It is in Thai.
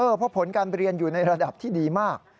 เพราะผลการเรียนอยู่ในระดับที่ดีมาก